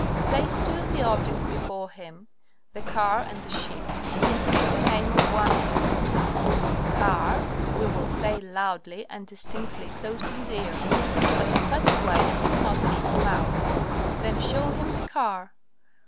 Place two of the objects before him, the car and the sheep, and speak the name of one of them, "car," we will say, loudly and distinctly close to his ear, but in such a way that he cannot see your mouth. Then show him the car.